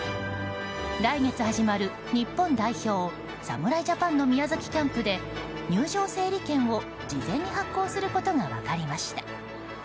来月始まる日本代表侍ジャパンの宮崎キャンプで入場整理券を、事前に発行することが分かりました。